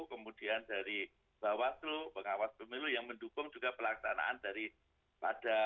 kemudian dari bawaslu pengawas pemilu yang mendukung juga pelaksanaan daripada